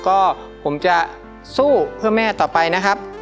ก็ผมจะสู้เพื่อแม่ต่อไปนะครับ